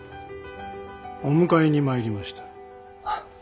お迎えに参りました。